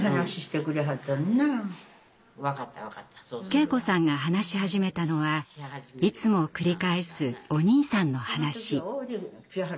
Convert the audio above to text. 敬子さんが話し始めたのはいつも繰り返すお兄さんの話。